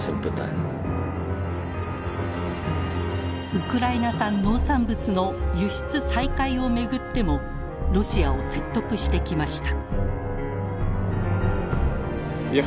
ウクライナ産農産物の輸出再開を巡ってもロシアを説得してきました。